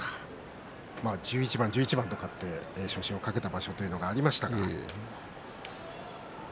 １１番、１１番と勝って昇進を懸けた場所もありました。